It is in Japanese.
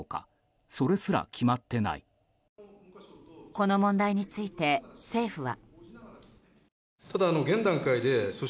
この問題について政府は。